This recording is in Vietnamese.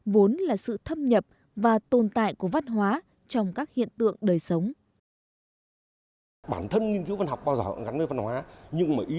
vốn là sự thâm nhập và tồn tại của văn hóa trong các hiện tượng đời sống